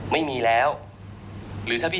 ไม่มีแล้วหรือถ้าพี่